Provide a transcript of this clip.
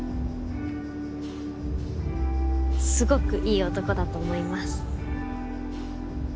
すごくいい男だと思います。